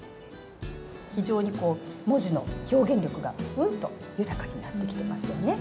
非常に文字の表現力がうんと豊かになってきてますよね。